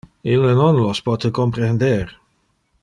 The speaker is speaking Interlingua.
Ille non los pote comprehender!